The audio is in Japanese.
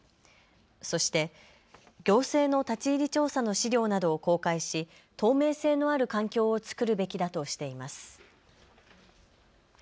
そして行政の立ち入り調査の資料などを公開し透明性のある環境を作るべきだとしています。